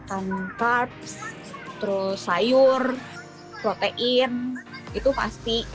makan carbs terus sayur protein itu pasti